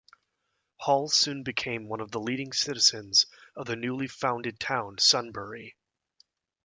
Hall soon became one of the leading citizens of the newly founded town, Sunbury.